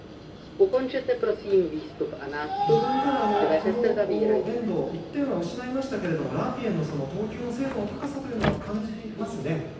このエンド１点は失いましたけどラープイェンの投球の精度の高さというのは感じますね。